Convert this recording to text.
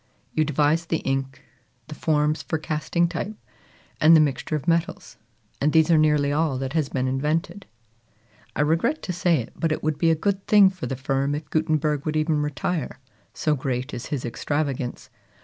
You devised the ink, the forms for casting type, and the mixture of metals; and these are nearly all that has been invented. I regret to say it, but it would be a good thing for the firm if Gutenberg would even retire, so great is his extravagance.